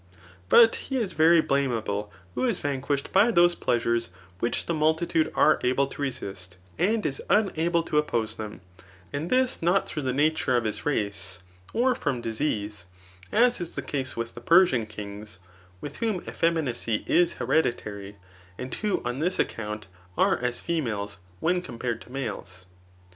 But he is very blame able who is vanquished by those pleasures which the multitude are able to resist, and is unable to oppose them ; and this not through the nature of his race, or fcom disease, as is the case with the Persian kings, with whom effeminacy is hereditary, and who on this account are as females when compared to males.